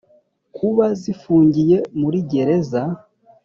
kuba zifungiye muri Gereza